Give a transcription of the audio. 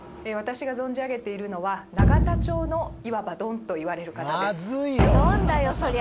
私が存じ上げているのは永田町のいわばドンといわれる方です